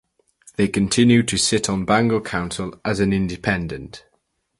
They continued to sit on Bangor Council as an independent.